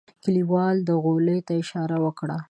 کليوال غولي ته اشاره وکړه.